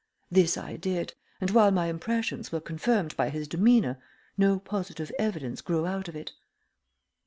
This I did, and while my impressions were confirmed by his demeanor, no positive evidence grew out of it.